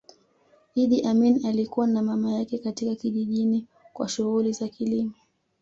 Idi Amin alikua na mama yake katika kijijini kwa shughuli za kilimo